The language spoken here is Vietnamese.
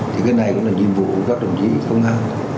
thì cái này cũng là nhiệm vụ của các đồng chí công an thôi